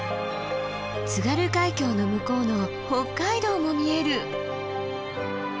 津軽海峡の向こうの北海道も見える！